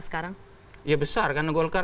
sekarang ya besar karena golkar